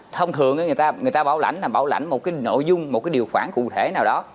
thông thường người ta bảo lãnh là bảo lãnh một cái nội dung một cái điều khoản cụ thể nào đó